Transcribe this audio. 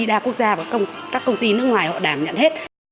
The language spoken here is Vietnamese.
đa quốc gia và các công ty nước ngoài họ đảm nhận hết